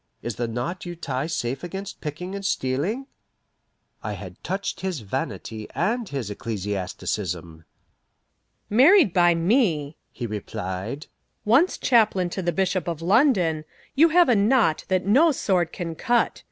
Is the knot you tie safe against picking and stealing?" I had touched his vanity and his ecclesiasticism. "Married by me," he replied, "once chaplain to the Bishop of London, you have a knot that no sword can cut.